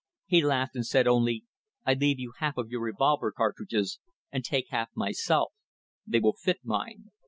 He laughed and said only: 'I leave you half of your revolver cartridges and take half myself; they will fit mine.